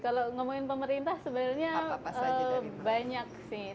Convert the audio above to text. kalau ngomongin pemerintah sebenarnya banyak sih